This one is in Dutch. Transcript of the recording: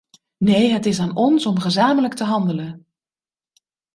Nee, het is aan ons om gezamenlijk te handelen!